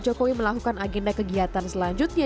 jokowi melakukan agenda kegiatan selanjutnya